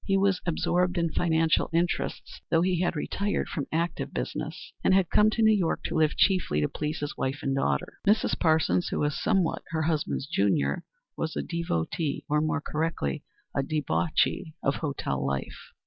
He was absorbed in financial interests, though he had retired from active business, and had come to New York to live chiefly to please his wife and daughter. Mrs. Parsons, who was somewhat her husband's junior, was a devotee, or more correctly, a debauchee, of hotel life.